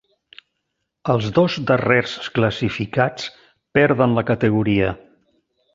Els dos darrers classificats perden la categoria.